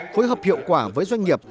hối hợp hiệu quả với doanh nghiệp